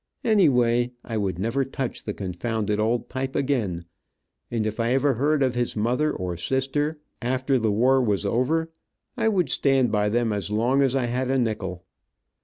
Anyway, I would never touch the confounded old pipe again, and if I ever heard of his mother or sister, after the war was over, I would stand by them as long as I had a nickel.